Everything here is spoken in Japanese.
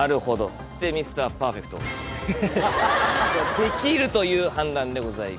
「できる」という判断でございます。